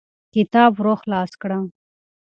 کتاب ورو خلاص کړه.